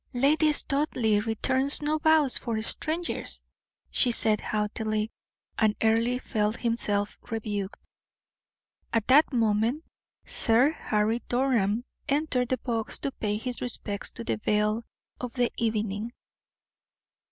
"Lady Studleigh returns no bows from strangers," she said, haughtily, and Earle felt himself rebuked. At that moment Sir Harry Durham entered the box to pay his respects to the belle of the evening.